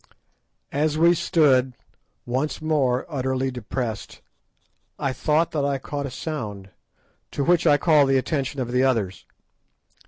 As we stood, once more utterly depressed, I thought that I caught a sound, to which I called the attention of the others.